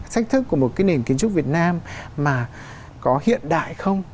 thách thức của một cái nền kiến trúc việt nam mà có hiện đại không